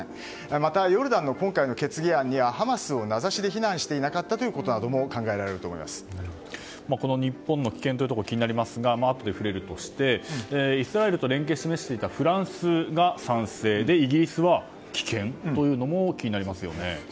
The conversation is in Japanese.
また、ヨルダンの今回の決議案にはハマスを名指しで非難していなかったこともこの日本の棄権も気になりますがあとで触れるとしてイスラエルと連携を示していたフランスが賛成でイギリスは棄権というのも気になりますよね。